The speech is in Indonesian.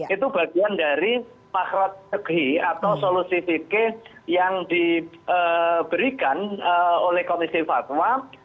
itu bagian dari makhrot segi atau solusi fikir yang diberikan oleh komisi fatwa